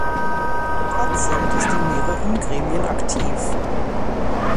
Patzelt ist in mehreren Gremien aktiv.